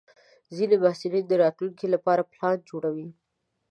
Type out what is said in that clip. ځینې محصلین د راتلونکي لپاره پلان جوړوي.